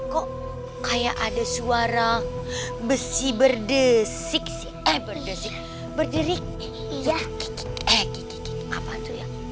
kok kayak ada suara besi berdesik desik berdiri iya